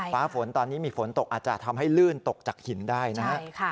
ฟ้าฝนตอนนี้มีฝนตกอาจจะทำให้ลื่นตกจากหินได้นะฮะ